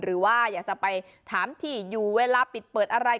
หรือว่าอยากจะไปถามที่อยู่เวลาปิดเปิดอะไร